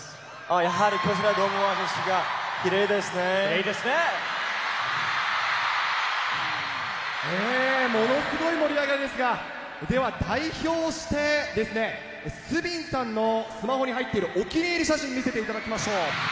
やはりこちら、ドームはきれものすごい盛り上がりですが、では、代表してですね、スビンさんのスマホに入っているお気に入り写真見せていただきましょう。